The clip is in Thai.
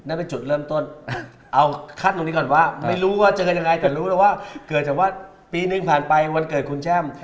นั่นเป็นจุดเริ่มต้นเอาขั้นตรงนี้ก่อนว่าไม่รู้ว่าเจอกันยังไงแต่รู้แล้วว่าเกิดจากว่าปีหนึ่งผ่านไปวันเกิดคุณแจ้ม